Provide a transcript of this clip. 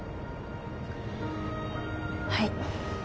はい。